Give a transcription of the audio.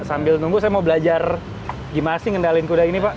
sambil nunggu saya mau belajar gimana sih ngendalin kuda ini pak